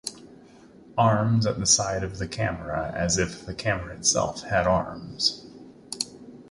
Arms at the side of the camera as if the camera itself had arms.